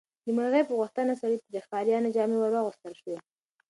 د مرغۍ په غوښتنه سړي ته د ښکاریانو جامې ورواغوستل شوې.